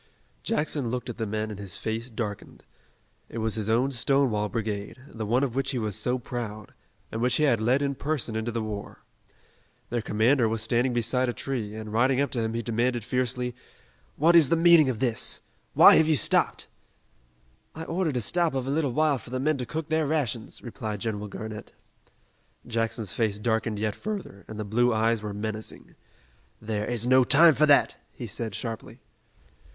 Jackson looked at the men and his face darkened. It was his own Stonewall Brigade, the one of which he was so proud, and which he had led in person into the war. Their commander was standing beside a tree, and riding up to him he demanded fiercely: "What is the meaning of this? Why have you stopped?" "I ordered a stop of a little while for the men to cook their rations," replied General Garnett. Jackson's face darkened yet further, and the blue eyes were menacing. "There is no time for that," he said sharply.